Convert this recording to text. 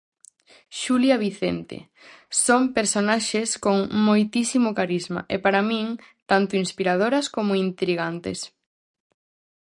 Xulia Vicente: "Son personaxes con moitísimo carisma, e para min tanto inspiradoras coma intrigantes".